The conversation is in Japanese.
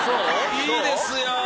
いいですよ。